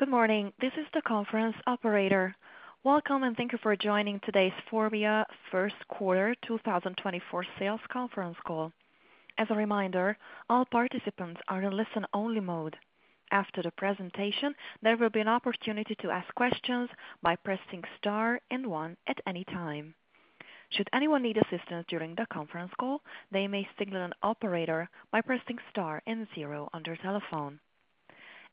Good morning. This is the conference operator. Welcome, and thank you for joining today's Forvia First Quarter 2024 Sales Conference Call. As a reminder, all participants are in listen-only mode. After the presentation, there will be an opportunity to ask questions by pressing star and 1 at any time. Should anyone need assistance during the conference call, they may signal an operator by pressing star and 0 on their telephone.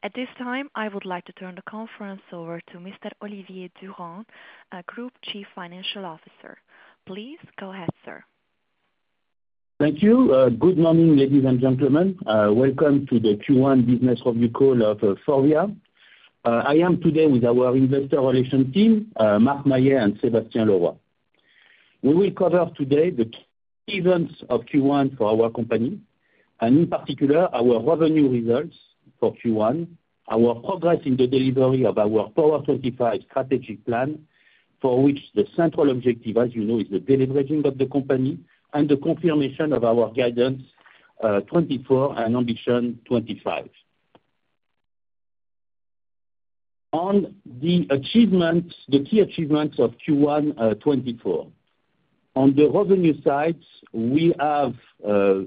At this time, I would like to turn the conference over to Mr. Olivier Durand, Group Chief Financial Officer. Please go ahead, sir. Thank you. Good morning, ladies and gentlemen. Welcome to the Q1 Business Review Call of Forvia. I am today with our investor relations team, Marc Maillet and Sébastien Leroy. We will cover today the key events of Q1 for our company, and in particular, our revenue results for Q1, our progress in the delivery of our Power25 strategic plan, for which the central objective, as you know, is the deleveraging of the company and the confirmation of our guidance 2024 and ambition 2025. On the achievements, the key achievements of Q1 2024. On the revenue side, we have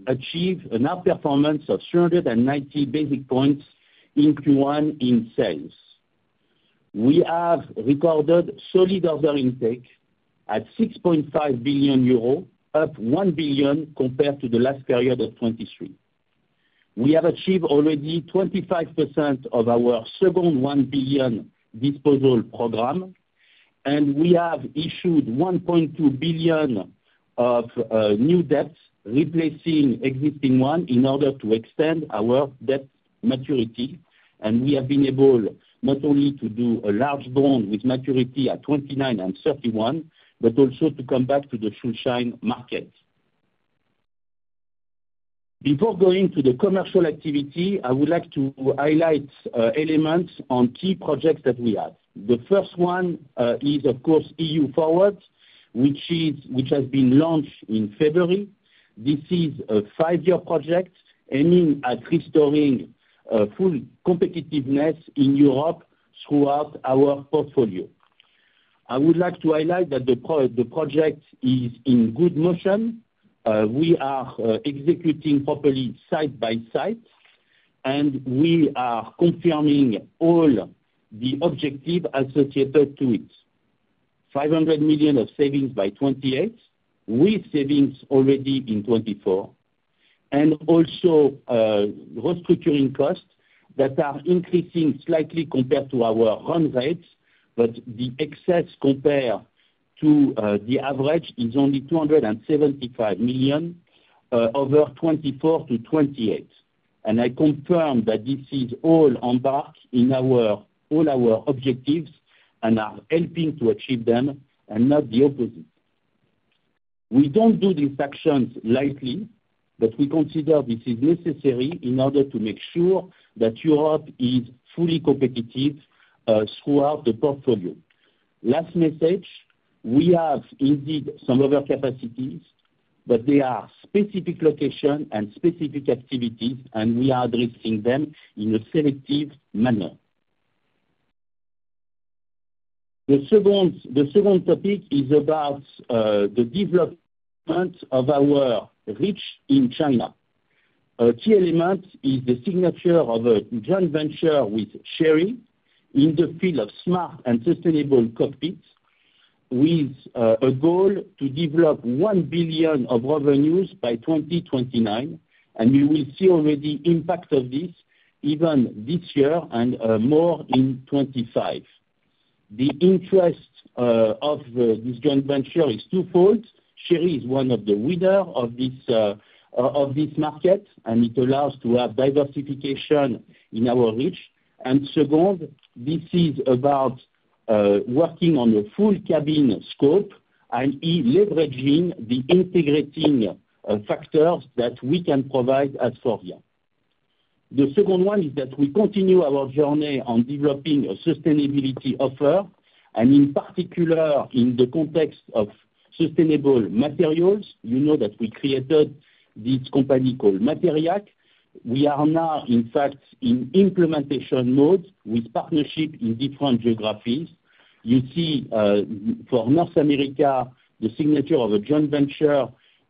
achieved an outperformance of 390 basis points in Q1 in sales. We have recorded solid order intake at 6.5 billion euros, up 1 billion compared to the last period of 2023. We have achieved already 25% of our second 1 billion disposal program, and we have issued 1.2 billion of new debts, replacing existing one in order to extend our debt maturity. We have been able not only to do a large bond with maturity at 2029 and 2031, but also to come back to the Schuldschein market. Before going to the commercial activity, I would like to highlight elements on key projects that we have. The first one is, of course, EU-FORWARD, which has been launched in February. This is a five-year project aiming at restoring full competitiveness in Europe throughout our portfolio. I would like to highlight that the project is in good motion. We are executing properly side by side, and we are confirming all the objectives associated to it: 500 million of savings by 2028, with savings already in 2024, and also restructuring costs that are increasing slightly compared to our run rates, but the excess compared to the average is only 275 million over 2024 to 2028. I confirm that this is all embarked in all our objectives and are helping to achieve them, and not the opposite. We don't do these actions lightly, but we consider this is necessary in order to make sure that Europe is fully competitive throughout the portfolio. Last message: we have indeed some overcapacities, but they are specific locations and specific activities, and we are addressing them in a selective manner. The second topic is about the development of our reach in China. A key element is the signature of a joint venture with Chery in the field of smart and sustainable cockpits, with a goal to develop 1 billion of revenues by 2029, and you will see already impact of this even this year and more in 2025. The interest of this joint venture is twofold. Chery is one of the winners of this market, and it allows us to have diversification in our reach. Second, this is about working on a full cabin scope, i.e., leveraging the integrating factors that we can provide at Forvia. The second one is that we continue our journey on developing a sustainability offer, and in particular, in the context of sustainable materials. You know that we created this company called MATERI'ACT. We are now, in fact, in implementation mode with partnership in different geographies. You see, for North America, the signature of a joint venture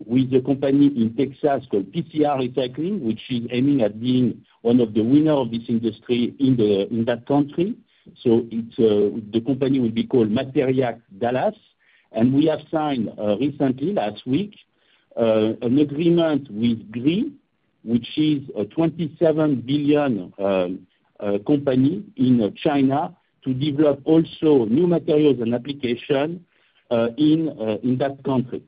with a company in Texas called PCR Recycling, which is aiming at being one of the winners of this industry in that country. So it's the company will be called MATERI'ACT Dallas. And we have signed, recently, last week, an agreement with Gree, which is a 27 billion company in China to develop also new materials and applications in that country.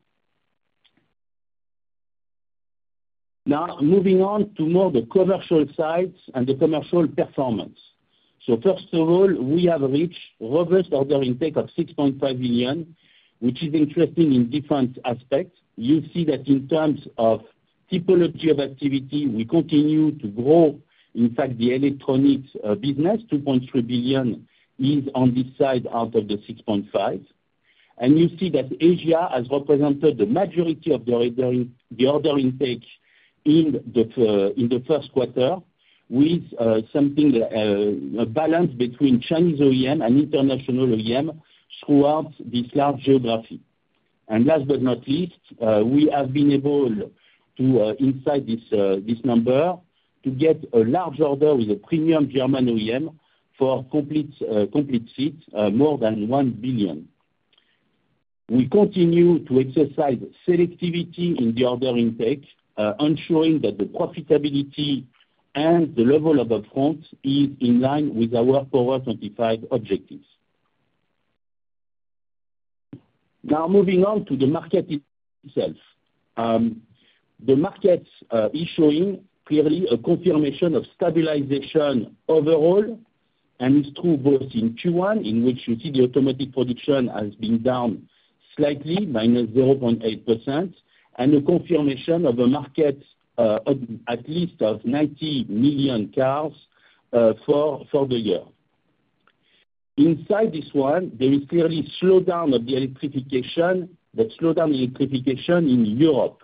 Now, moving on to more the commercial sides and the commercial performance. So first of all, we have reached robust order intake of 6.5 billion, which is interesting in different aspects. You see that in terms of typology of activity, we continue to grow, in fact, the electronics business. 2.3 billion is on this side out of the 6.5 billion. And you see that Asia has represented the majority of the order intake in the first quarter, with a balance between Chinese OEM and international OEM throughout this large geography. And last but not least, we have been able to inside this number to get a large order with a premium German OEM for complete seats, more than 1 billion. We continue to exercise selectivity in the order intake, ensuring that the profitability and the level of upfront is in line with our Power25 objectives. Now, moving on to the market itself. The market is showing clearly a confirmation of stabilization overall, and it's true both in Q1, in which you see the automotive production has been down slightly, minus 0.8%, and a confirmation of a market at least of 90 million cars, for the year. Inside this one, there is clearly slowdown of the electrification, but slowdown electrification in Europe.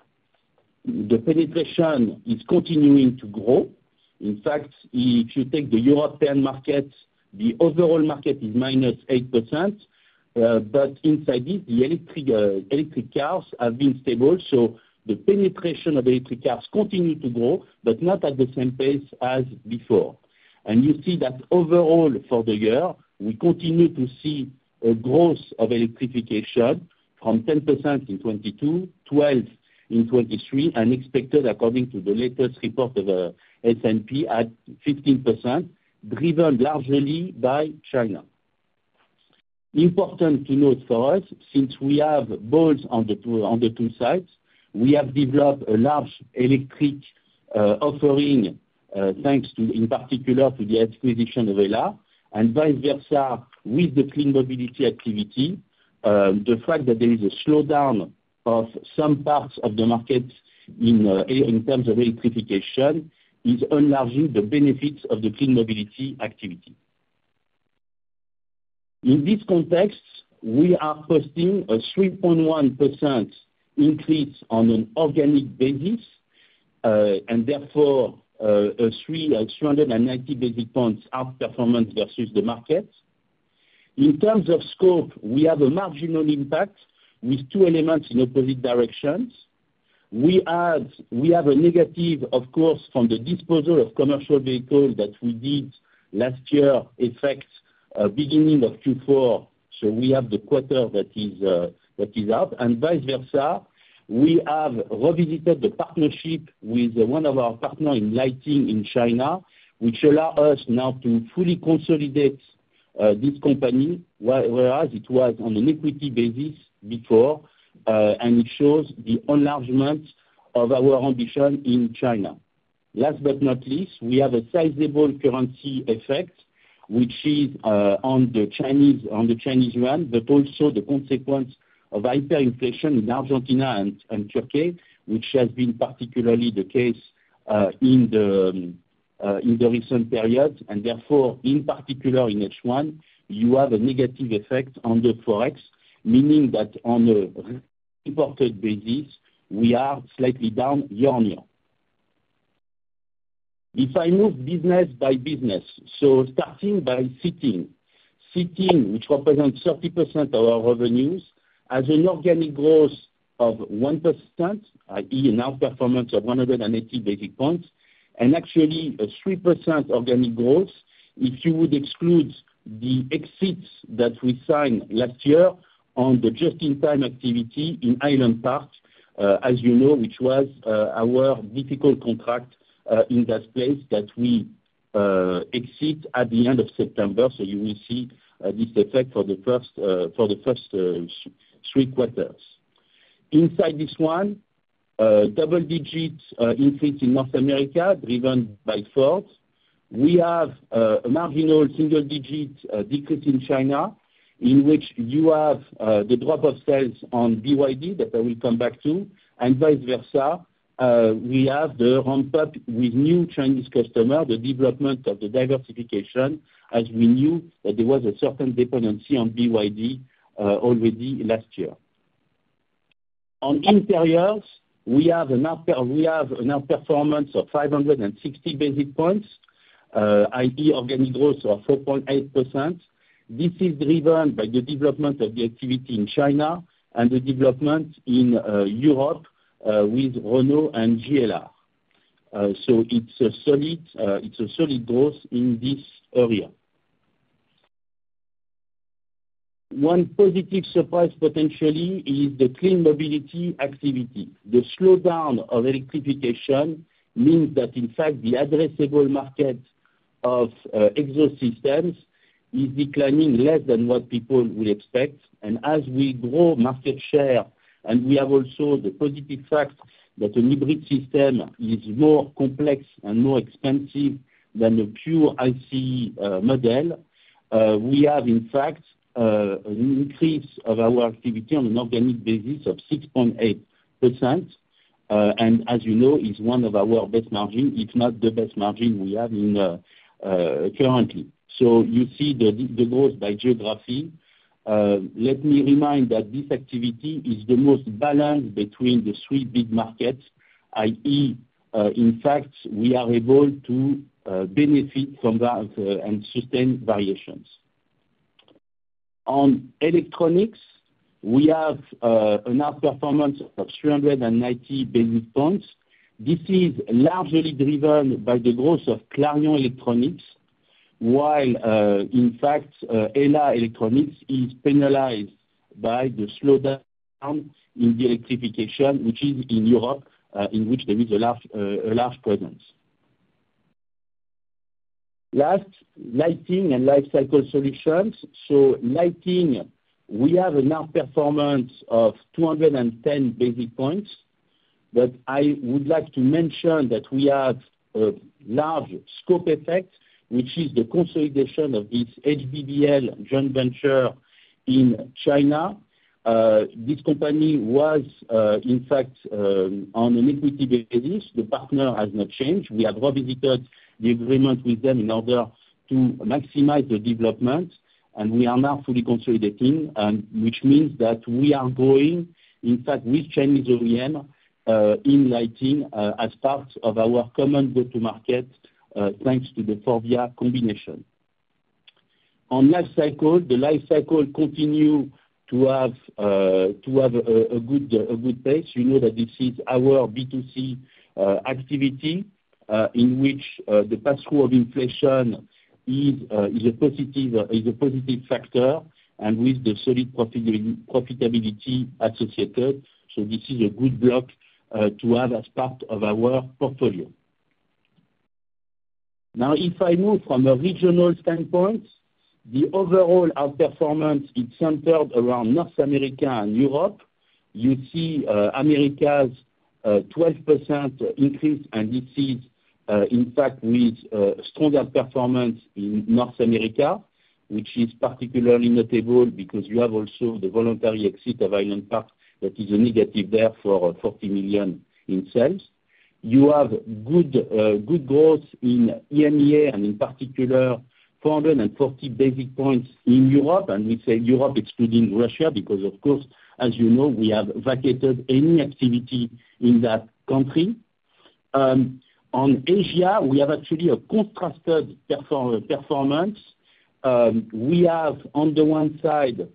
The penetration is continuing to grow. In fact, if you take the European market, the overall market is -8%, but inside this, the electric cars have been stable, so the penetration of electric cars continues to grow, but not at the same pace as before. And you see that overall for the year, we continue to see a growth of electrification from 10% in 2022, 12% in 2023, and expected, according to the latest report of S&P, at 15%, driven largely by China. Important to note for us, since we have bets on both sides, we have developed a large electric offering, thanks in particular to the acquisition of HELLA, and vice versa with the Clean Mobility activity. The fact that there is a slowdown of some parts of the market in terms of electrification is enlarging the benefits of the Clean Mobility activity. In this context, we are posting a 3.1% increase on an organic basis, and therefore, a 3,390 basis points outperformance versus the market. In terms of scope, we have a marginal impact with two elements in opposite directions. We have a negative, of course, from the disposal of commercial vehicles that we did last year effect, beginning of Q4, so we have the quarter that is out. And vice versa, we have revisited the partnership with one of our partners in Lighting in China, which allowed us now to fully consolidate this company, whereas it was on an equity basis before, and it shows the enlargement of our ambition in China. Last but not least, we have a sizable currency effect, which is, on the Chinese yuan, but also the consequence of hyperinflation in Argentina and Turkey, which has been particularly the case, in the recent period. And therefore, in particular in H1, you have a negative effect on the forex, meaning that on a reported basis, we are slightly down year-on-year. If I move business by business, so starting by Seating. Seating, which represents 30% of our revenues, has an organic growth of 1%, i.e., an outperformance of 180 basis points, and actually a 3% organic growth if you would exclude the exits that we signed last year on the Just-in-Time activity in Highland Park, as you know, which was our difficult contract in that place that we exit at the end of September, so you will see this effect for the first three quarters. Inside this one, double-digit increase in North America driven by Ford. We have a marginal single-digit decrease in China, in which you have the drop of sales on BYD that I will come back to, and vice versa. We have the ramp-up with new Chinese customers, the development of the diversification, as we knew that there was a certain dependency on BYD, already last year. On Interiors, we have an outperformance of 560 basis points, i.e., organic growth of 4.8%. This is driven by the development of the activity in China and the development in Europe, with Renault and JLR. So it's a solid growth in this area. One positive surprise, potentially, is the Clean Mobility activity. The slowdown of electrification means that, in fact, the addressable market of exhaust systems is declining less than what people would expect. And as we grow market share and we have also the positive fact that a hybrid system is more complex and more expensive than the pure ICE model, we have, in fact, an increase of our activity on an organic basis of 6.8%, and as you know, is one of our best margins, if not the best margin we have currently. So you see the growth by geography. Let me remind that this activity is the most balanced between the three big markets, i.e., in fact, we are able to benefit from various and sustained variations. On Electronics, we have an outperformance of 390 basis points. This is largely driven by the growth of Clarion Electronics, while, in fact, HELLA Electronics is penalized by the slowdown in the electrification, which is in Europe, in which there is a large presence. Last, Lighting and Lifecycle Solutions. So Lighting, we have an outperformance of 210 basis points, but I would like to mention that we have a large scope effect, which is the consolidation of this HBBL joint venture in China. This company was, in fact, on an equity basis. The partner has not changed. We have revisited the agreement with them in order to maximize the development, and we are now fully consolidating, which means that we are going, in fact, with Chinese OEM, in Lighting, as part of our common go-to-market, thanks to the Forvia combination. On Lifecycle, the Lifecycle continue to have a good pace. You know that this is our B2C activity, in which the pass-through of inflation is a positive factor, and with the solid profitability associated. So this is a good block to have as part of our portfolio. Now, if I move from a regional standpoint, the overall outperformance is centered around North America and Europe. You see, Americas 12% increase, and this is, in fact, with stronger performance in North America, which is particularly notable because you have also the voluntary exit of Highland Park that is a negative there for 40 million in sales. You have good growth in EMEA and, in particular, 440 basis points in Europe, and we say Europe excluding Russia because, of course, as you know, we have vacated any activity in that country. On Asia, we have actually a contrasted performance. We have, on the one side,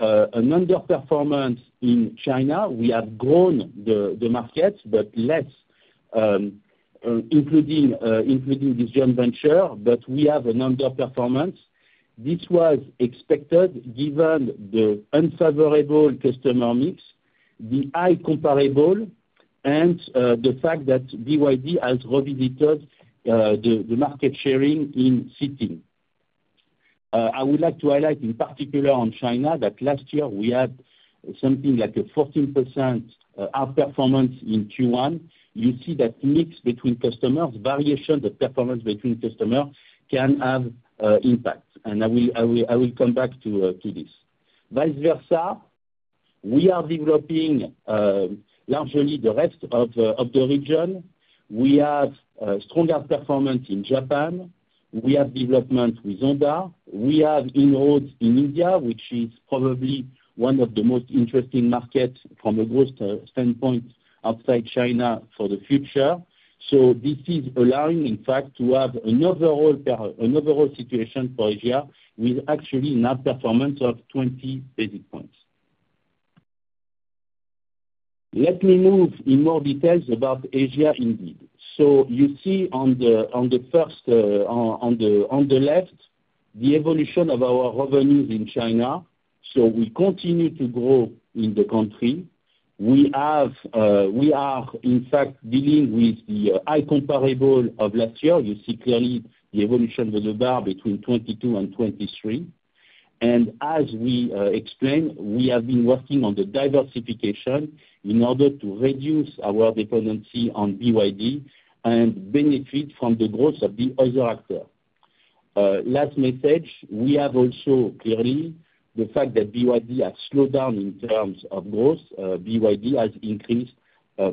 an underperformance in China. We have grown the market, but less, including this joint venture, but we have an underperformance. This was expected given the unfavorable customer mix, the high comparable, and the fact that BYD has revisited the market sharing in Seating. I would like to highlight, in particular, on China that last year we had something like a 14% outperformance in Q1. You see that mix between customers, variation of performance between customers can have impact, and I will I will I will come back to this. Vice versa, we are developing largely the rest of the region. We have stronger performance in Japan. We have development with Honda. We have inroads in India, which is probably one of the most interesting markets from a growth standpoint outside China for the future. So this is allowing, in fact, to have an overall per an overall situation for Asia with actually an outperformance of 20 basis points. Let me move in more details about Asia indeed. So you see on the first, on the left, the evolution of our revenues in China. So we continue to grow in the country. We are, in fact, dealing with the high comparable of last year. You see clearly the evolution of the bar between 2022 and 2023. And as we explained, we have been working on the diversification in order to reduce our dependency on BYD and benefit from the growth of the other actors. Last message, we have also clearly the fact that BYD has slowed down in terms of growth. BYD has increased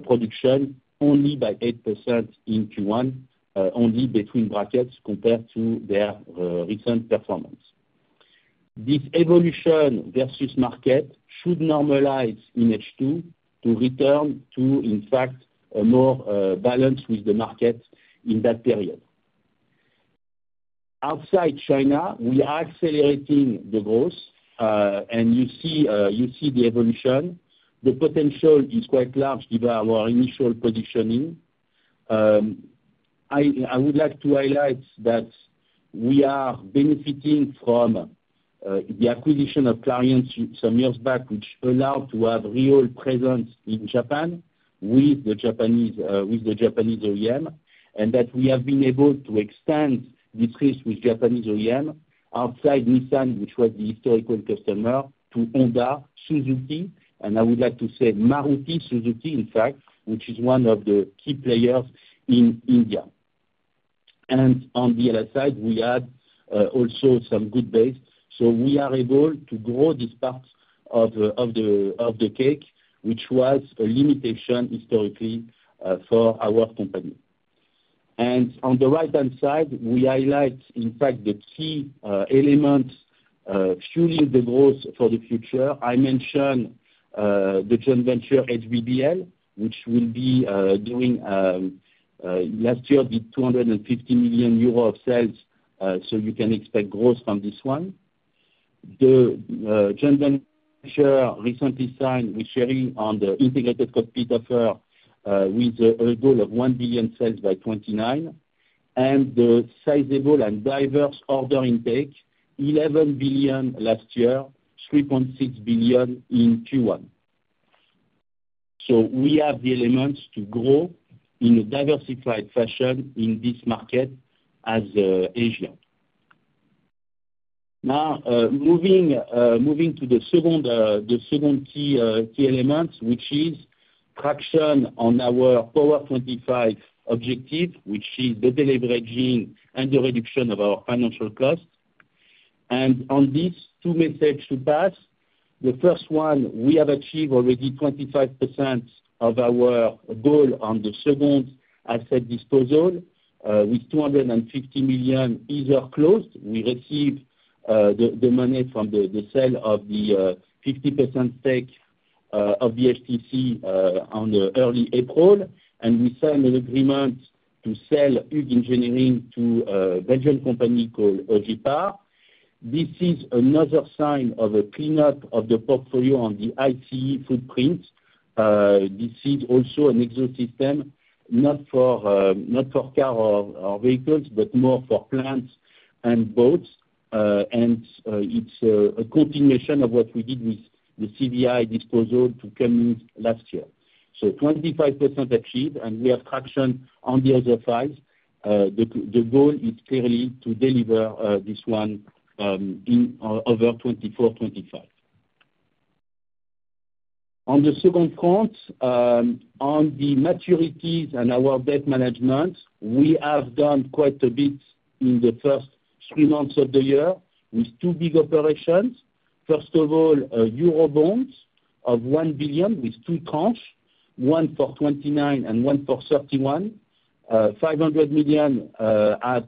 production only by 8% in Q1, only between brackets compared to their recent performance. This evolution versus market should normalize in H2 to return to, in fact, a more balanced with the market in that period. Outside China, we are accelerating the growth, and you see the evolution. The potential is quite large given our initial positioning. I would like to highlight that we are benefiting from the acquisition of Clarion some years back, which allowed to have real presence in Japan with the Japanese OEM, and that we have been able to extend this reach with Japanese OEM outside Nissan, which was the historical customer, to Honda, Suzuki, and I would like to say Maruti Suzuki, in fact, which is one of the key players in India. On the other side, we had also some good base. So we are able to grow this part of the cake, which was a limitation historically for our company. On the right-hand side, we highlight, in fact, the key elements fueling the growth for the future. I mentioned the joint venture HBBL, which last year did 250 million euro of sales, so you can expect growth from this one. The joint venture recently signed with Chery on the integrated cockpit offer, with a goal of 1 billion sales by 2029, and the sizable and diverse order intake, 11 billion last year, 3.6 billion in Q1. So we have the elements to grow in a diversified fashion in this market as Asia. Now, moving to the second key elements, which is traction on our Power25 objective, which is the deleveraging and the reduction of our financial costs. And on these two messages to pass, the first one, we have achieved already 25% of our goal on the second asset disposal, with 250 million euro closed. We received the money from the sale of the 50% stake of the BHTC in early April, and we signed an agreement to sell Hug Engineering to a Belgian company called Ogepar. This is another sign of a cleanup of the portfolio on the ICE footprint. This is also an exhaust system, not for car or vehicles, but more for plants and boats, and it's a continuation of what we did with the CVE disposal to Cummins last year. So 25% achieved, and we have traction on the other five. The goal is clearly to deliver this one in over 2024-2025. On the second front, on the maturities and our debt management, we have done quite a bit in the first three months of the year with two big operations. First of all, Eurobonds of EUR 1 billion with two tranches, one for 2029 and one for 2031, 500 million at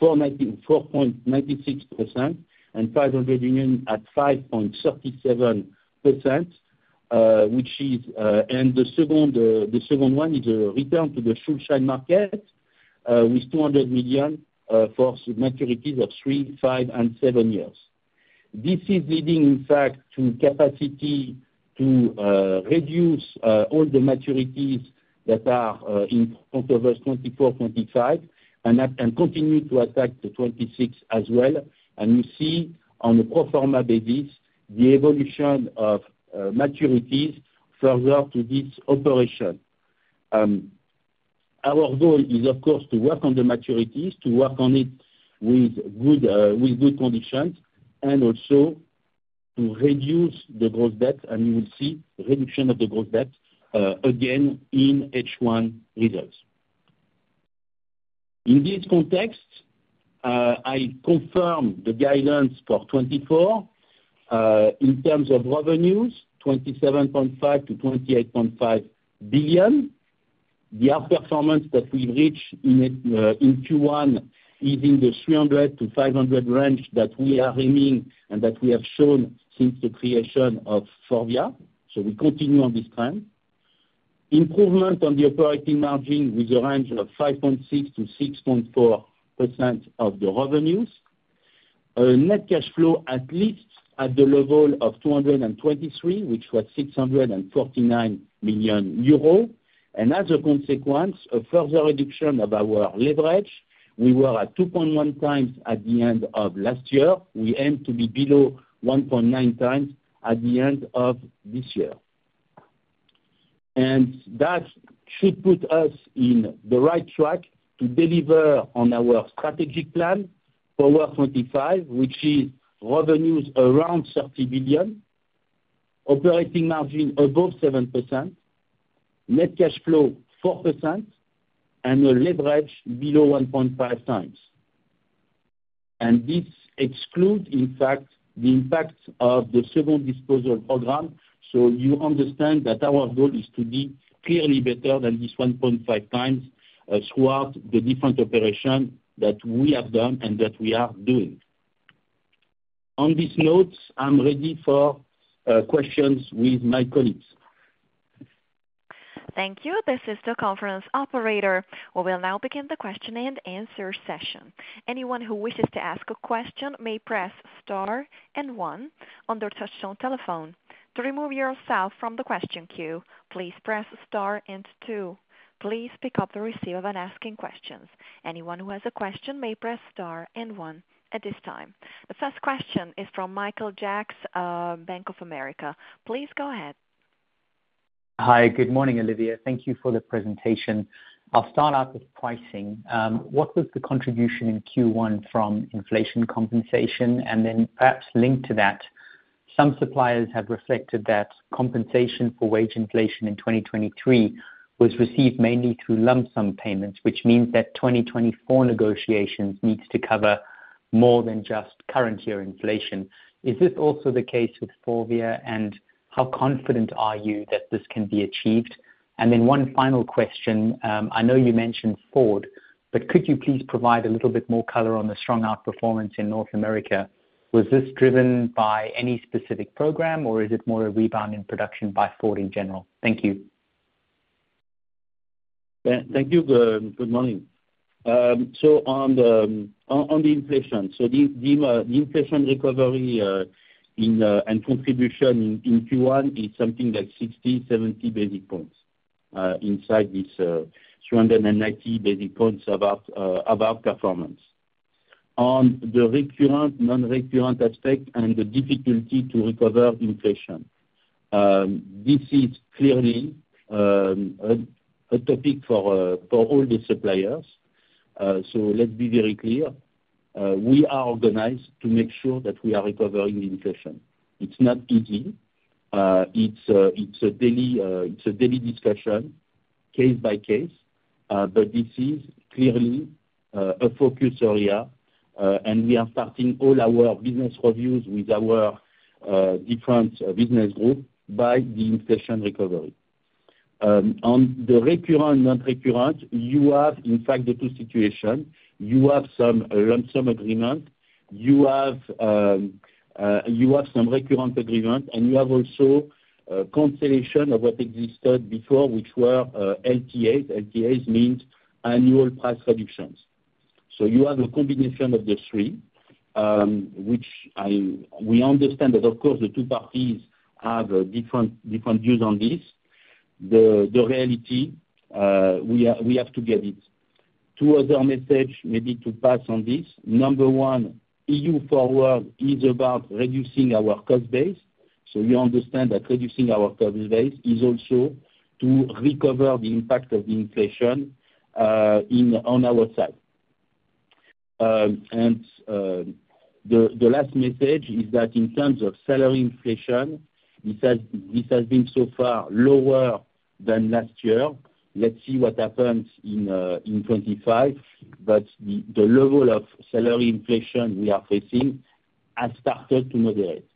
4.90%-4.96%, and 500 million at 5.37%, which is, and the second one is a return to the Schuldschein market, with 200 million, for maturities of three, five, and seven years. This is leading, in fact, to capacity to reduce all the maturities that are in front of us 2024-2025 and continue to attack the 2026 as well. You see on a pro forma basis the evolution of maturities further to this operation. Our goal is, of course, to work on the maturities, to work on it with good conditions, and also to reduce the gross debt, and you will see reduction of the gross debt, again in H1 results. In this context, I confirm the guidance for 2024. In terms of revenues, 27.5 billion-28.5 billion. The outperformance that we've reached in Q1 is in the 300 million-500 million range that we are aiming and that we have shown since the creation of Forvia. So we continue on this trend. Improvement on the operating margin with a range of 5.6%-6.4% of the revenues. Net cash flow at least at the level of 223 million, which was 649 million euros, and as a consequence, a further reduction of our leverage. We were at 2.1x at the end of last year. We aim to be below 1.9x at the end of this year. And that should put us in the right track to deliver on our strategic plan, Power25, which is revenues around 30 billion, operating margin above 7%, net cash flow 4%, and a leverage below 1.5x. This excludes, in fact, the impact of the second disposal program. So you understand that our goal is to be clearly better than this 1.5 times, throughout the different operation that we have done and that we are doing. On this note, I'm ready for questions with my colleagues. Thank you. This is the conference operator. We will now begin the question-and-answer session. Anyone who wishes to ask a question may press star and one on their touch-tone telephone. To remove yourself from the question queue, please press star and two. Please pick up the receiver when asking questions. Anyone who has a question may press star and one at this time. The first question is from Michael Jacks of Bank of America. Please go ahead. Hi. Good morning, Olivier. Thank you for the presentation. I'll start out with pricing. What was the contribution in Q1 from inflation compensation, and then perhaps link to that? Some suppliers have reflected that compensation for wage inflation in 2023 was received mainly through lump sum payments, which means that 2024 negotiations need to cover more than just current year inflation. Is this also the case with Forvia, and how confident are you that this can be achieved? And then one final question. I know you mentioned Ford, but could you please provide a little bit more color on the strong outperformance in North America? Was this driven by any specific program, or is it more a rebound in production by Ford in general? Thank you. Yeah. Thank you. Good morning. So on the inflation, the inflation recovery and contribution in Q1 is something like 60-70 basis points, inside this 390 basis points about performance. On the recurrent, non-recurrent aspect and the difficulty to recover inflation, this is clearly a topic for all the suppliers. So let's be very clear. We are organized to make sure that we are recovering the inflation. It's not easy. It's a daily discussion case by case, but this is clearly a focus area, and we are starting all our business reviews with our different business group by the inflation recovery. On the recurrent, non-recurrent, you have in fact the two situations. You have some lump sum agreement. You have some recurrent agreement, and you also have cancellation of what existed before, which were LTAs. LTAs means annual price reductions. So you have a combination of the three, which we understand that, of course, the two parties have different views on this. The reality we have to get it. Two other messages maybe to pass on this. Number one, EU-FORWARD is about reducing our cost base. So you understand that reducing our cost base is also to recover the impact of the inflation on our side. The last message is that in terms of salary inflation, this has been so far lower than last year. Let's see what happens in 2025, but the level of salary inflation we are facing has started to moderate.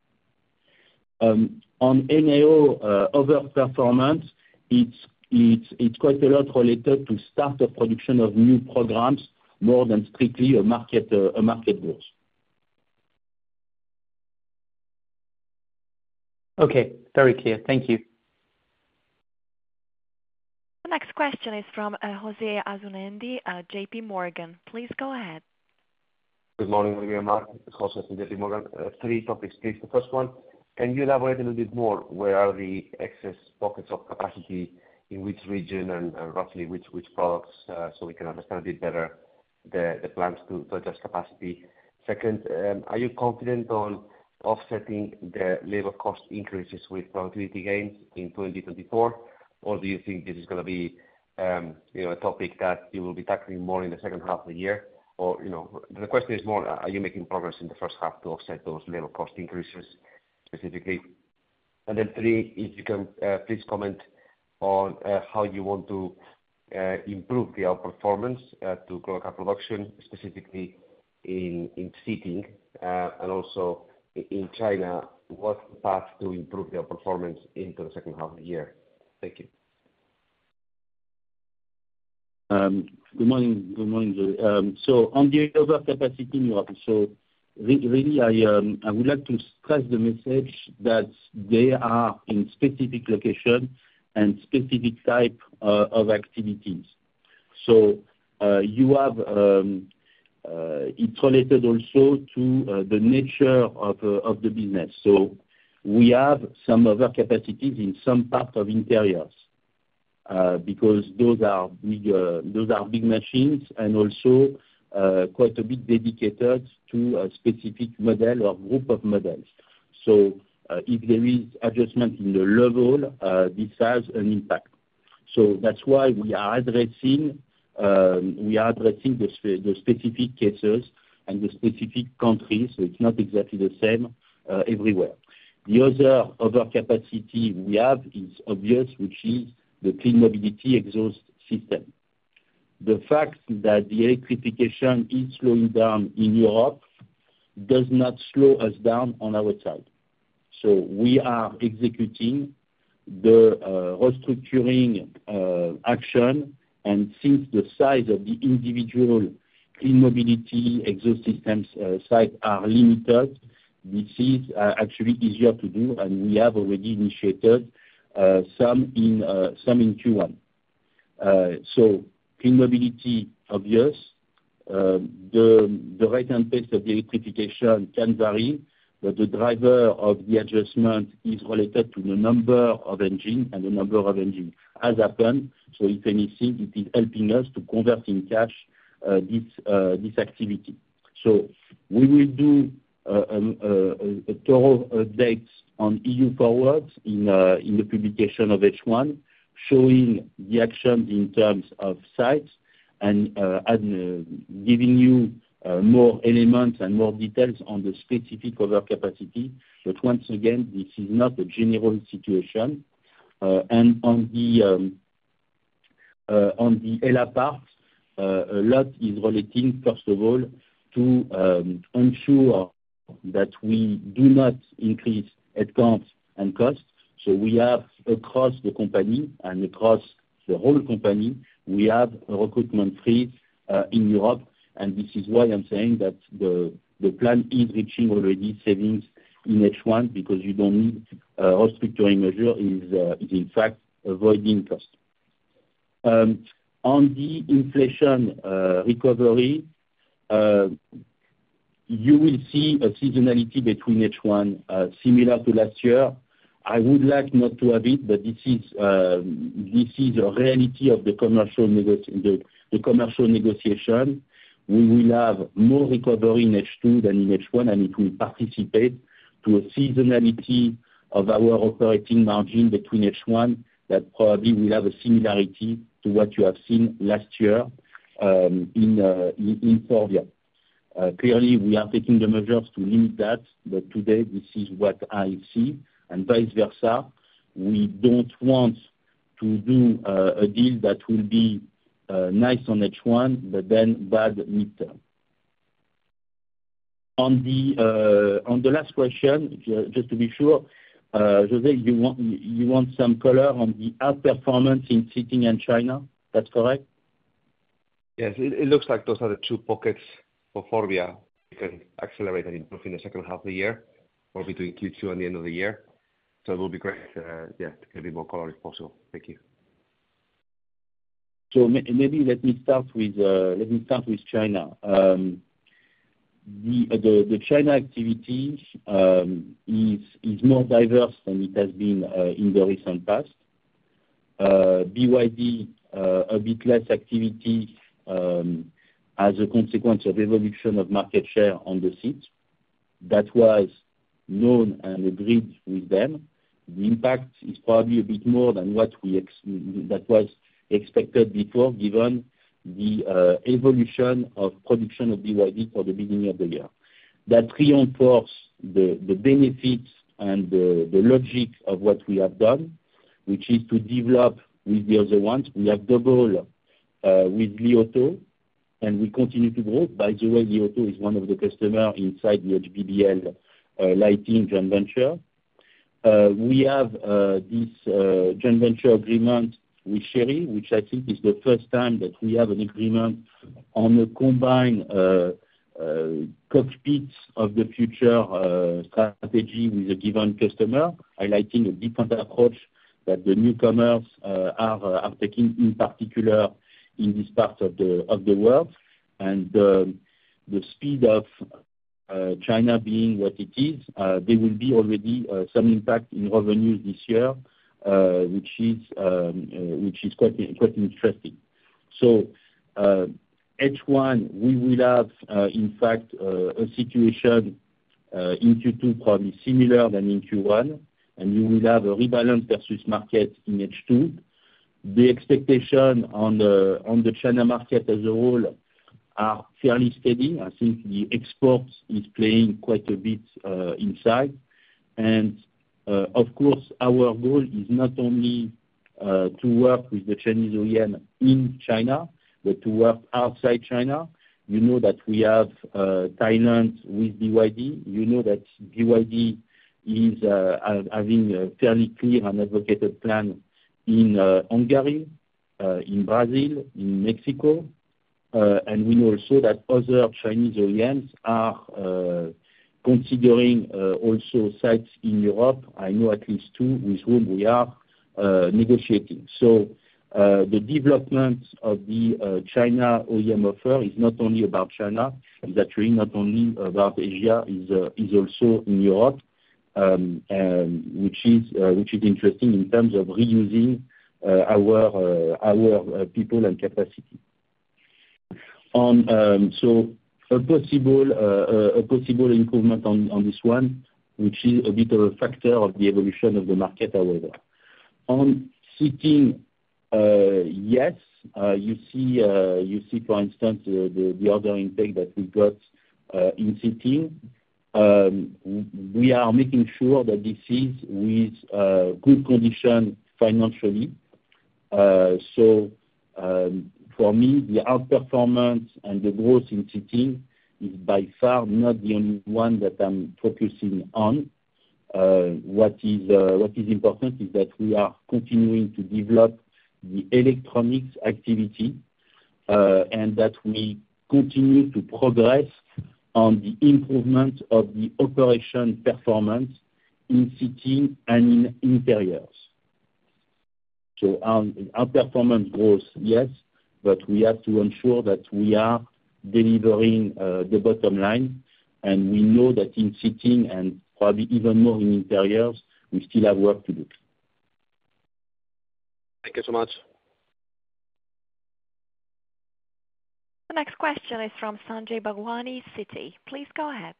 On NAO overperformance, it's quite a lot related to start of production of new programs more than strictly market goals. Okay. Very clear. Thank you. The next question is from José Asumendi, J.P. Morgan. Please go ahead. Good morning, Olivier and Marc. It's José from J.P. Morgan. Three topics, please. The first one, can you elaborate a little bit more? Where are the excess pockets of capacity in which region and, and roughly which, which products, so we can understand a bit better the, the plans to, to adjust capacity? Second, are you confident on offsetting the labor cost increases with productivity gains in 2024, or do you think this is gonna be, you know, a topic that you will be tackling more in the second half of the year? Or, you know, the question is more, are you making progress in the first half to offset those labor cost increases specifically? Then three, if you can, please comment on how you want to improve the outperformance to grow our production specifically in Seating and also in China, what path to improve the outperformance into the second half of the year. Thank you. Good morning. Good morning, José. So on the overcapacity, Now on the, so really, I would like to stress the message that they are in specific location and specific type of activities. So, you have, it's related also to the nature of the business. So we have some overcapacities in some part of Interiors, because those are bigger, those are big machines and also quite a bit dedicated to a specific model or group of models. So, if there is adjustment in the level, this has an impact. So that's why we are addressing the specific cases and the specific countries, so it's not exactly the same everywhere. The other overcapacity we have is obvious, which is the Clean Mobility exhaust system. The fact that the electrification is slowing down in Europe does not slow us down on our side. So we are executing the restructuring action, and since the size of the individual Clean Mobility exhaust systems sites are limited, this is actually easier to do, and we have already initiated some in Q1. So Clean Mobility, obvious. The rate and pace of the electrification can vary, but the driver of the adjustment is related to the number of engines and the number of engines has happened. So if anything, it is helping us to convert in cash this activity. So we will do a thorough update on EU-FORWARD in the publication of H1 showing the actions in terms of sites and giving you more elements and more details on the specific overcapacity. But once again, this is not a general situation. And on the labor part, a lot is relating, first of all, to ensure that we do not increase headcount and cost. So we have across the company and across the whole company, we have recruitment freeze in Europe, and this is why I'm saying that the plan is reaching already savings in H1 because you don't need a restructuring measure is, in fact, avoiding cost. On the inflation recovery, you will see a seasonality between H1, similar to last year. I would like not to have it, but this is a reality of the commercial negotiation. We will have more recovery in H2 than in H1, and it will participate to a seasonality of our operating margin between H1 that probably will have a similarity to what you have seen last year in Forvia. Clearly, we are taking the measures to limit that, but today, this is what I see, and vice versa. We don't want to do a deal that will be nice on H1 but then bad mid-term. On the last question, just to be sure, José, you want some color on the outperformance in Seating in China? That's correct? Yes. It looks like those are the two pockets for Forvia. We can accelerate an improvement in the second half of the year or between Q2 and the end of the year. So it will be great, yeah, to get a bit more color if possible. Thank you. So maybe let me start with China. The China activity is more diverse than it has been in the recent past. BYD, a bit less activity, as a consequence of evolution of market share on the seats. That was known and agreed with them. The impact is probably a bit more than what we expected before given the evolution of production of BYD for the beginning of the year. That reinforced the benefits and the logic of what we have done, which is to develop with the other ones. We have doubled with Li Auto, and we continue to grow. By the way, Li Auto is one of the customers inside the HBBL Lighting joint venture. We have this joint venture agreement with Chery, which I think is the first time that we have an agreement on a combined Cockpit of the Future strategy with a given customer, highlighting a different approach that the newcomers are taking in particular in this part of the world. The speed of China being what it is, there will be already some impact in revenues this year, which is quite interesting. H1, we will have in fact a situation in Q2 probably similar than in Q1, and you will have a rebalance versus market in H2. The expectation on the China market as a whole are fairly steady. I think the export is playing quite a bit inside. Of course, our goal is not only to work with the Chinese OEM in China but to work outside China. You know that we have Thailand with BYD. You know that BYD is having a fairly clear and advocated plan in Hungary, in Brazil, in Mexico. And we know also that other Chinese OEMs are considering also sites in Europe. I know at least two with whom we are negotiating. So, the development of the China OEM offer is not only about China. It's actually not only about Asia. It's also in Europe, which is interesting in terms of reusing our people and capacity. On, so a possible improvement on this one, which is a bit of a factor of the evolution of the market, however. On Seating, yes, you see, for instance, the order intake that we got in Seating. We are making sure that this is with good condition financially. For me, the outperformance and the growth in Seating is by far not the only one that I'm focusing on. What is important is that we are continuing to develop the electronics activity, and that we continue to progress on the improvement of the operation performance in Seating and in Interiors. On outperformance growth, yes, but we have to ensure that we are delivering the bottom line, and we know that in Seating and probably even more in Interiors, we still have work to do. Thank you so much. The next question is from Sanjay Bhagwani Citi. Please go ahead.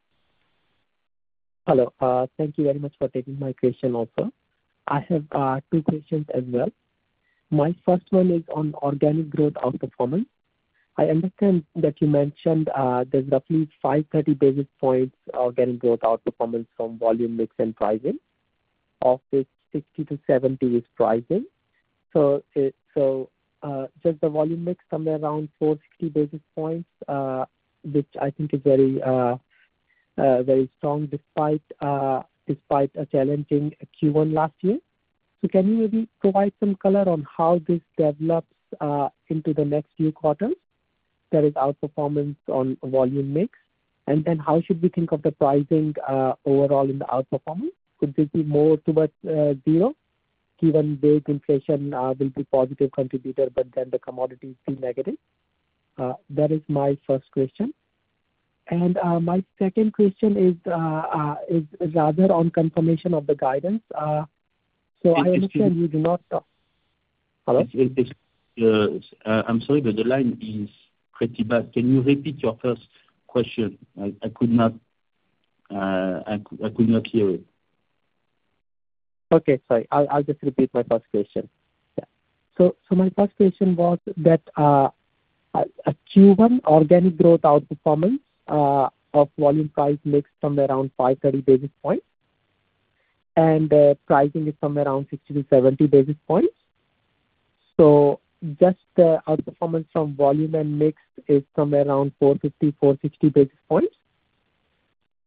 Hello. Thank you very much for taking my question also. I have two questions as well. My first one is on organic growth outperformance. I understand that you mentioned there's roughly 530 basis points organic growth outperformance from volume mix and pricing. Of it, 60-70 is pricing. So it so, just the volume mix, somewhere around 460 basis points, which I think is very, very strong despite, despite a challenging Q1 last year. So can you maybe provide some color on how this develops into the next few quarters? That is outperformance on volume mix. And then how should we think of the pricing overall in the outperformance? Could this be more towards zero given big inflation will be positive contributor but then the commodities be negative? That is my first question. And my second question is rather on confirmation of the guidance. So, I understand you do not. Yes, yes. Hello? Yes, yes, yes. I'm sorry, but the line is pretty bad. Can you repeat your first question? I could not hear it. Okay. Sorry. I'll, I'll just repeat my first question. Yeah. So, so my first question was that, a Q1 organic growth outperformance, of volume price mixed somewhere around 530 basis points, and, pricing is somewhere around 60-70 basis points. So just the outperformance from volume and mixed is somewhere around 450-460 basis points.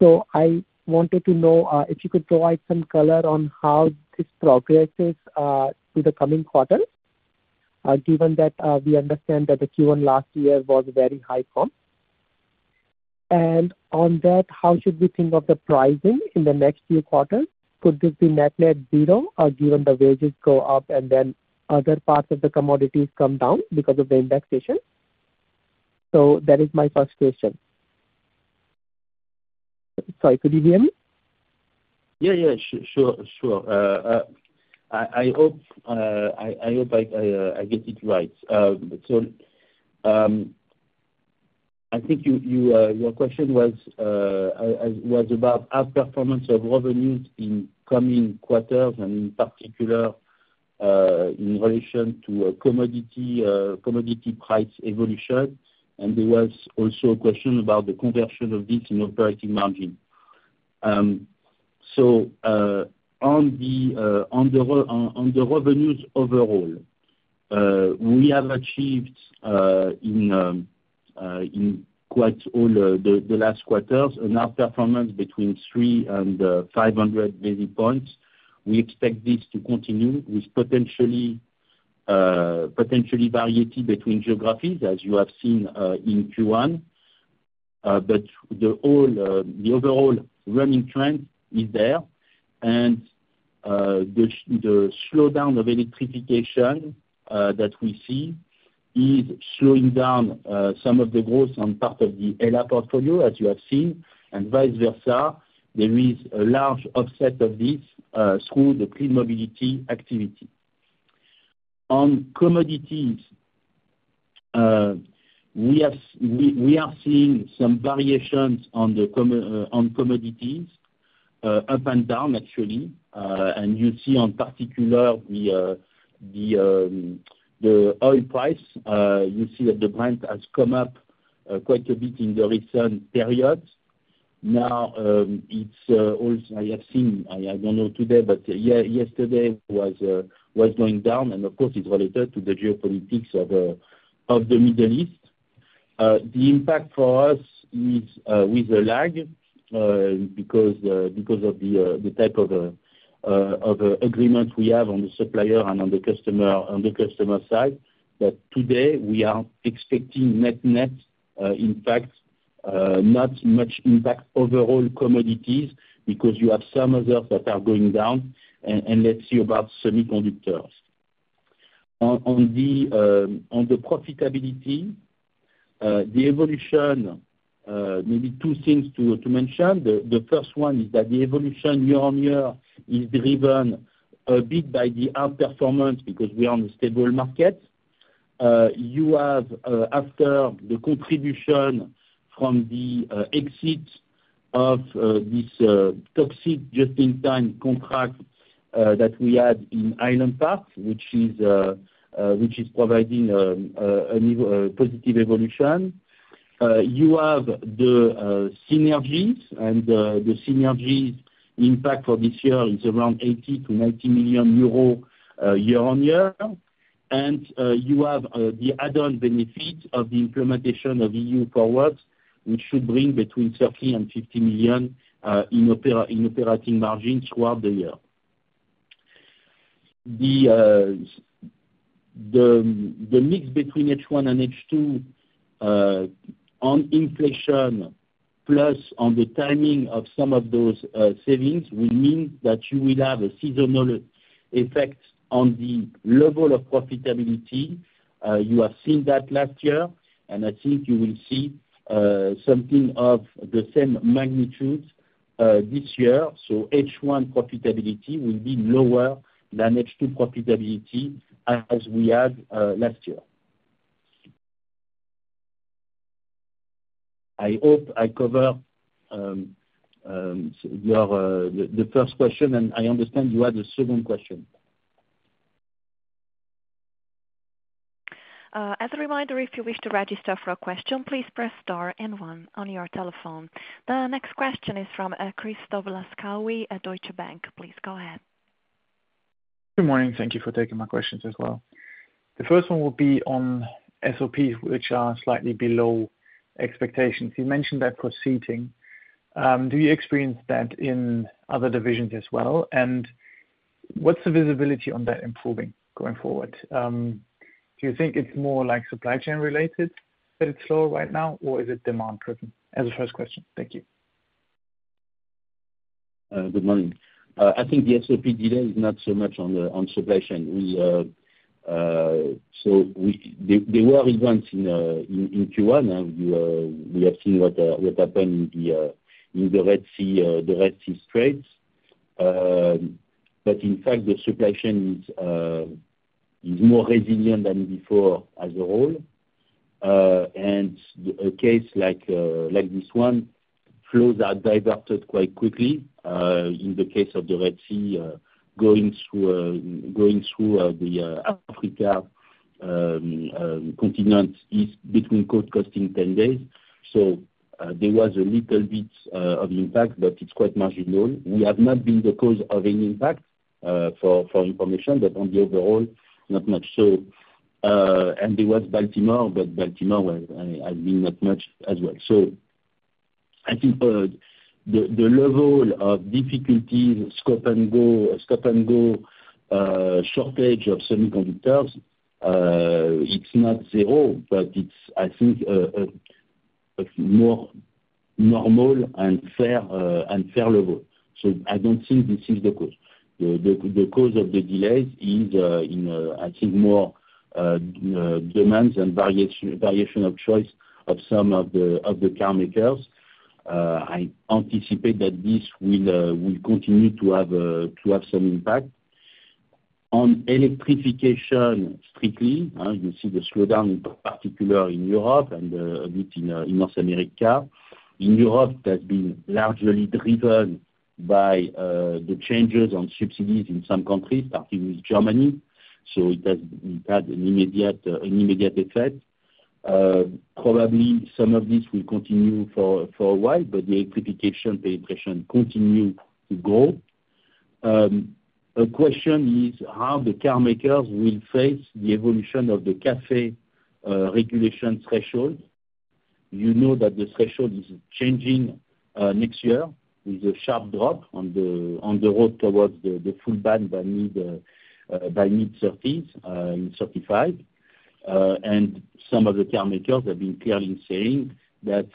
So I wanted to know, if you could provide some color on how this progresses, to the coming quarters, given that, we understand that the Q1 last year was very high comp. And on that, how should we think of the pricing in the next few quarters? Could this be net-net zero, given the wages go up and then other parts of the commodities come down because of the indexation? So that is my first question. Sorry. Could you hear me? Yeah. Sure. I hope I get it right. I think your question was about outperformance of revenues in coming quarters and in particular, in relation to commodity price evolution. And there was also a question about the conversion of this in operating margin. On the revenues overall, we have achieved in quite all the last quarters an outperformance between 3 and 500 basis points. We expect this to continue with potentially variety between geographies as you have seen in Q1. But the overall running trend is there. And the slowdown of electrification that we see is slowing down some of the growth on part of the HELLA portfolio as you have seen, and vice versa. There is a large offset of this through the Clean Mobility activity. On commodities, we are seeing some variations on commodities, up and down actually. You see in particular the oil price. You see that the Brent has come up quite a bit in the recent period. Now, it's also I have seen. I don't know today, but yeah, yesterday was going down, and of course it's related to the geopolitics of the Middle East. The impact for us is with a lag, because of the type of agreement we have on the supplier and on the customer side. But today, we are expecting net-net, in fact, not much impact overall commodities because you have some others that are going down, and let's see about semiconductors. On the profitability, the evolution, maybe two things to mention. The first one is that the evolution year-over-year is driven a bit by the outperformance because we are on a stable market. You have, after the contribution from the exit of this toxic Just-in-Time contract that we had in Highland Park, which is providing a positive evolution. You have the synergies, and the synergies impact for this year is around 80 million-90 million euro, year-over-year. You have the add-on benefit of the implementation of EU-FORWARD, which should bring between 30 million and 50 million in operating margins throughout the year. That's the mix between H1 and H2, on inflation plus on the timing of some of those savings will mean that you will have a seasonal effect on the level of profitability. You have seen that last year, and I think you will see something of the same magnitude this year. So H1 profitability will be lower than H2 profitability as we had last year. I hope I covered your first question, and I understand you had a second question. As a reminder, if you wish to register for a question, please press star and one on your telephone. The next question is from Christoph Laskawi at Deutsche Bank. Please go ahead. Good morning. Thank you for taking my questions as well. The first one will be on SOPs, which are slightly below expectations. You mentioned that for Seating. Do you experience that in other divisions as well? And what's the visibility on that improving going forward? Do you think it's more like supply chain related that it's slower right now, or is it demand-driven? As a first question. Thank you. Good morning. I think the SOP delay is not so much on the supply chain. So there were events in Q1, and we have seen what happened in the Red Sea, the Red Sea Straits. But in fact, the supply chain is more resilient than before as a whole. And a case like this one, flows are diverted quite quickly. In the case of the Red Sea, going through the Africa continent between coast to coast 10 days. So there was a little bit of impact, but it's quite marginal. We have not been the cause of any impact for information, but overall, not much. So there was Baltimore, but Baltimore has been not much as well. So I think the level of difficulties, stop-and-go, shortage of semiconductors, it's not zero, but it's, I think, more normal and fair level. So I don't think this is the cause. The cause of the delays is, I think, more demands and variation of choice of some of the car makers. I anticipate that this will continue to have some impact. On electrification strictly, you see the slowdown in particular in Europe and a bit in North America. In Europe, it has been largely driven by the changes on subsidies in some countries, starting with Germany. So it had an immediate effect. Probably some of this will continue for a while, but the electrification penetration continue to grow. A question is how the car makers will face the evolution of the CAFE regulation threshold. You know that the threshold is changing next year with a sharp drop on the road towards the full ban by mid-2030s, in 2035. And some of the car makers have been clearly saying that,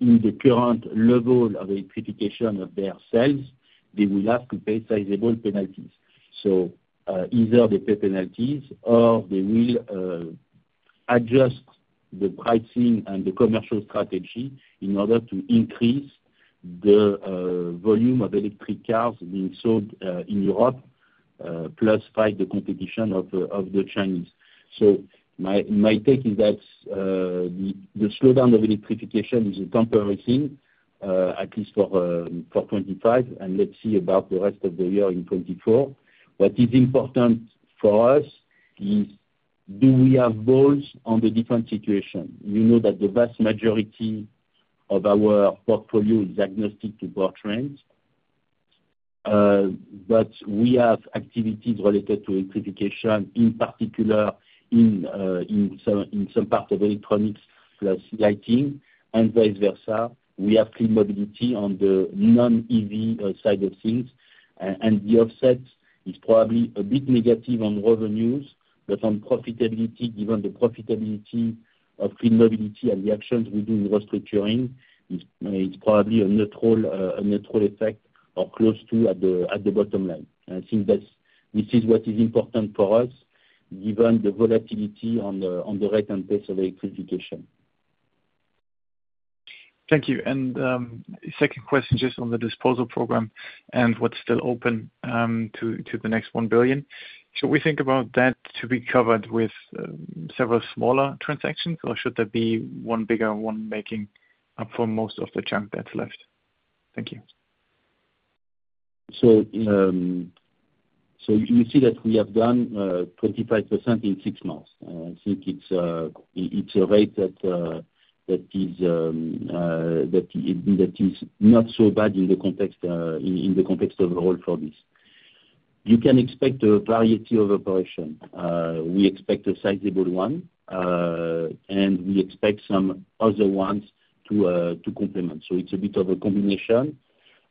in the current level of electrification of their sales, they will have to pay sizable penalties. So, either they pay penalties or they will adjust the pricing and the commercial strategy in order to increase the volume of electric cars being sold in Europe, plus fight the competition of the Chinese. So my take is that the slowdown of electrification is a temporary thing, at least for 2025, and let's see about the rest of the year in 2024. What is important for us is do we have bets on the different situation? You know that the vast majority of our portfolio is agnostic to car trends, but we have activities related to electrification, in particular in some part of electronics plus Lighting and vice versa. We have Clean Mobility on the non-EV side of things. And the offset is probably a bit negative on revenues, but on profitability, given the profitability of Clean Mobility and the actions we do in restructuring, it's probably a neutral effect or close to neutral at the bottom line. I think that this is what is important for us given the volatility in the rate and pace of electrification. Thank you. Second question just on the disposal program and what's still open to the next 1 billion. Should we think about that to be covered with several smaller transactions, or should there be one bigger one making up for most of the junk that's left? Thank you. So you see that we have done 25% in six months. I think it's a rate that is not so bad in the context overall for this. You can expect a variety of operations. We expect a sizable one, and we expect some other ones to complement. So it's a bit of a combination.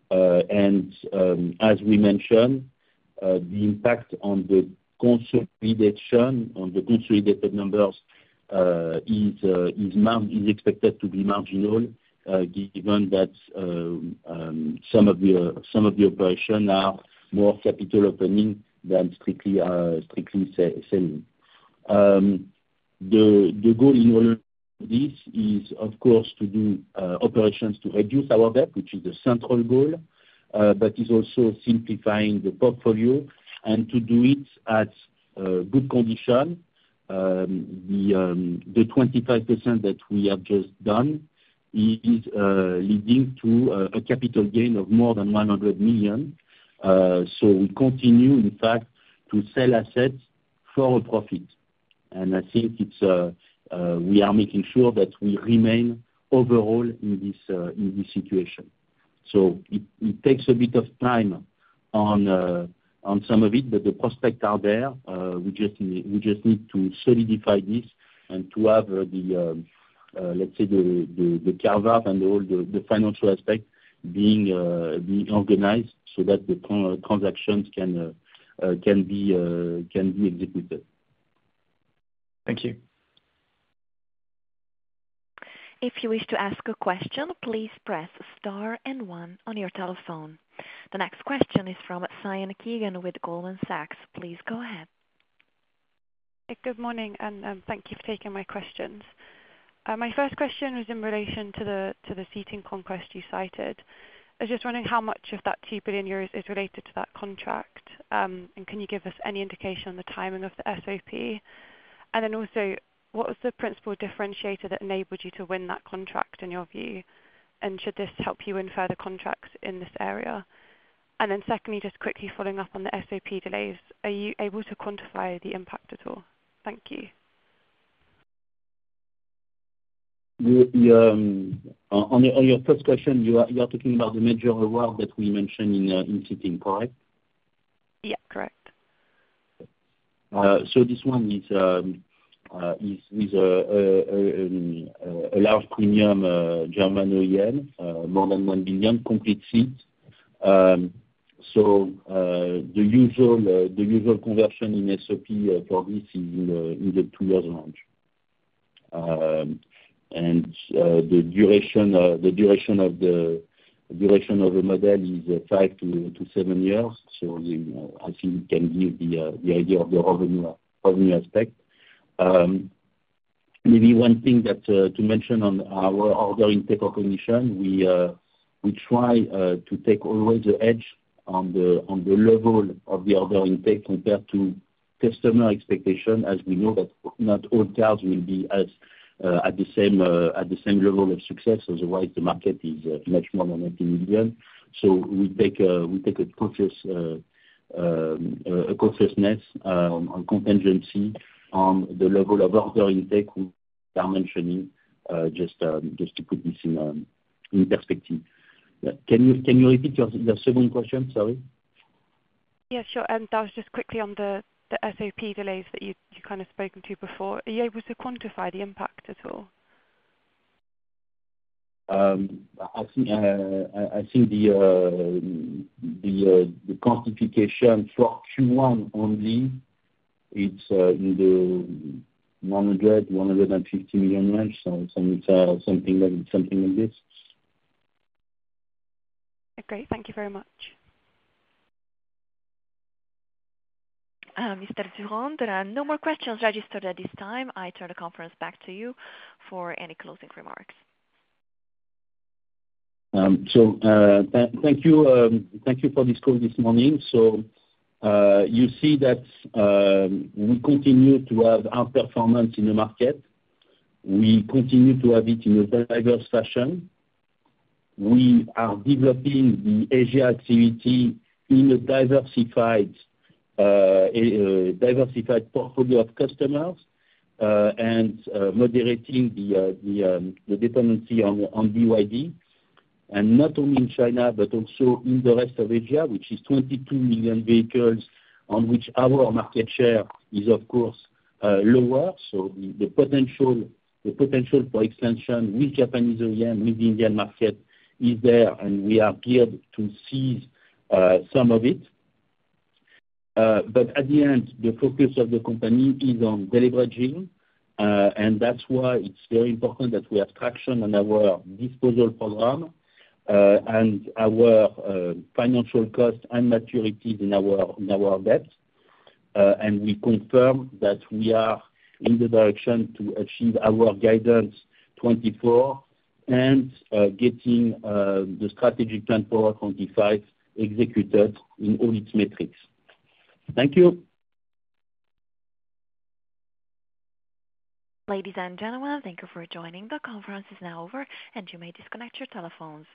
As we mentioned, the impact on the consolidation on the consolidated numbers is expected to be marginal, given that some of the operations are more capital opening than strictly selling. The goal in all of this is, of course, to do operations to reduce our debt, which is the central goal, but is also simplifying the portfolio and to do it at good condition. The 25% that we have just done is leading to a capital gain of more than 100 million. So we continue, in fact, to sell assets for a profit. And I think it's, we are making sure that we remain overall in this, in this situation. So it takes a bit of time on some of it, but the prospects are there. We just need to solidify this and to have, let's say, the curve up and all the financial aspect being organized so that the transactions can be executed. Thank you. If you wish to ask a question, please press star and one on your telephone. The next question is from Sian Keegan with Goldman Sachs. Please go ahead. Yeah. Good morning. And thank you for taking my questions. My first question was in relation to the Seating conquest you cited. I was just wondering how much of that 2 billion euros is related to that contract, and can you give us any indication on the timing of the SOP? And then also, what was the principal differentiator that enabled you to win that contract in your view? And should this help you win further contracts in this area? And then secondly, just quickly following up on the SOP delays, are you able to quantify the impact at all? Thank you. On your first question, you are talking about the major award that we mentioned in Seating, correct? Yeah. Correct. So this one is with a large premium German OEM, more than 1 billion complete seat. So the usual conversion in SOP for this is in the two-year range. And the duration of the model is five to seven years. So you know, I think it can give the idea of the revenue aspect. Maybe one thing to mention on our order intake position, we try to take always the edge on the level of the order intake compared to customer expectation as we know that not all cars will be at the same level of success. Otherwise, the market is much more than 80 million. So we take a cautiousness on contingency on the level of order intake we are mentioning, just to put this in perspective. Can you repeat your second question? Sorry. Yeah. Sure. And just quickly on the SOP delays that you've kind of spoken to before, are you able to quantify the impact at all? I think the classification for Q1 only, it's in the 100 million-150 million range. So it's something like something like this. Okay. Thank you very much. Mr. Durand, there are no more questions registered at this time. I turn the conference back to you for any closing remarks. Thank you. Thank you for this call this morning. You see that we continue to have our performance in the market. We continue to have it in a diverse fashion. We are developing the Asia activity in a diversified portfolio of customers, and moderating the dependency on BYD. And not only in China, but also in the rest of Asia, which is 22 million vehicles on which our market share is, of course, lower. So the potential for expansion with Japanese OEM, with the Indian market is there, and we are geared to seize some of it. But at the end, the focus of the company is on deleveraging, and that's why it's very important that we have traction on our disposal program, and our financial cost and maturities in our debt. We confirm that we are in the direction to achieve our guidance 2024 and getting the strategic plan for 2025 executed in all its metrics. Thank you. Ladies and gentlemen, thank you for joining. The conference is now over, and you may disconnect your telephones.